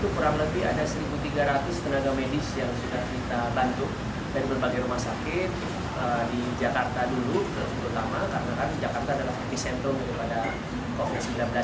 karena jakarta adalah pusat di sentrum covid sembilan belas ini